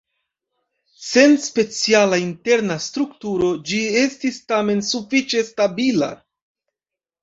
Sen speciala interna strukturo ĝi estis tamen sufiĉe stabila.